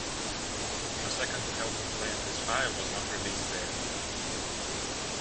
Her second album "Playin' With Fire", was not released there.